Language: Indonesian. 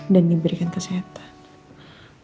dan diberikan kesehatan